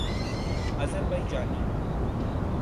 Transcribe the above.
Azerbaijani